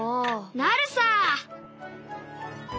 なるさ！